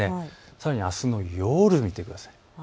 さらに、あすの夜を見てください。